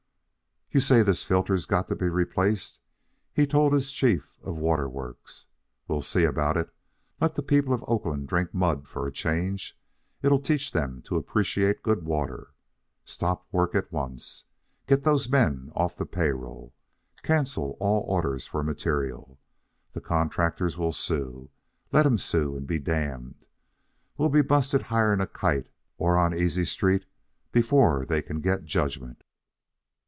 "You say this filter's got to be replaced," he told his chief of the water works. "We'll see about it. Let the people of Oakland drink mud for a change. It'll teach them to appreciate good water. Stop work at once. Get those men off the pay roll. Cancel all orders for material. The contractors will sue? Let 'em sue and be damned. We'll be busted higher'n a kite or on easy street before they can get judgment."